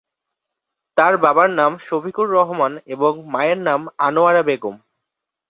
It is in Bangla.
তার বাবার নাম শফিকুর রহমান এবং মায়ের নাম আনোয়ারা বেগম।